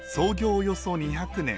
およそ２００年。